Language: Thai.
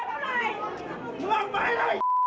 ผู้ใหญ่อยู่นู้นครับ